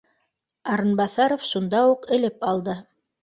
Арынбаҫаров шунда уҡ элеп алды: